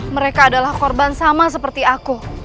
mereka adalah korban sama seperti aku